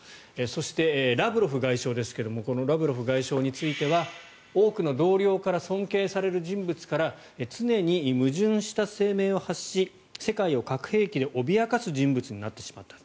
そして、ラブロフ外相ですがこのラブロフ外相については多くの同僚から尊敬される人物から常に矛盾した声明を発し世界を核兵器で脅かす人物になってしまった。